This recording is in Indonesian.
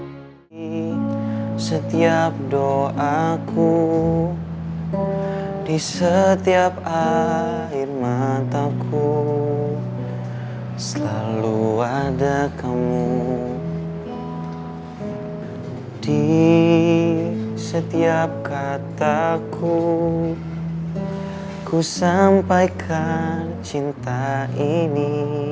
hai di setiap doaku di setiap air mataku selalu ada kamu di setiap kataku ku sampaikan cinta ini